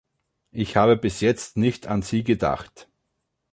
Ich habe bis jetzt nicht an sie gedacht.